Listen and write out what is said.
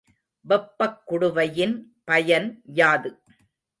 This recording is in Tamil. வெப்பக் குடுவையின் பயன் யாது?